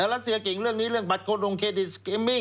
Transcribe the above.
รัสเซียเก่งเรื่องนี้เรื่องบัตรคนดงเครดิตสเกมมี่